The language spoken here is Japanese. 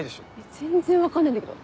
全然分かんないんだけど。